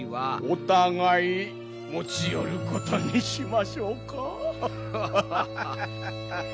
お互い持ち寄ることにしましょうか。